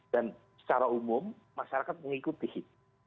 dan secara umum masyarakat mengikuti